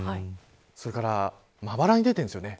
それからまばらに出ているんですよね。